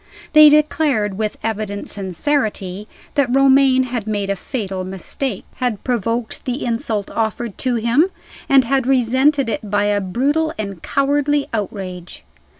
They declared, with evident sincerity, that Romayne had made a fatal mistake; had provoked the insult offered to him; and had resented it by a brutal and cowardly outrage.